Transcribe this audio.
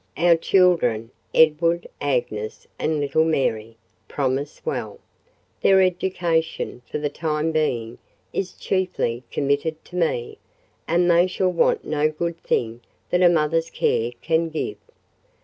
Our children, Edward, Agnes, and little Mary, promise well; their education, for the time being, is chiefly committed to me; and they shall want no good thing that a mother's care can give.